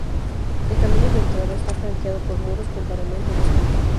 El camino de entrada está flanqueado por muros con paramento de espiga.